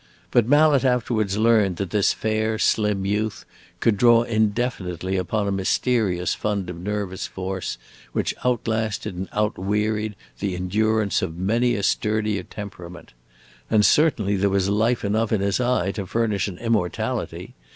But Mallet afterwards learned that this fair, slim youth could draw indefinitely upon a mysterious fund of nervous force, which outlasted and outwearied the endurance of many a sturdier temperament. And certainly there was life enough in his eye to furnish an immortality!